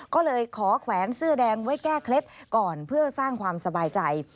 ก็เลยขอแขวนเสื้อแดงไว้แก้เคล็ดก่อนเพื่อสร้างความสบายใจ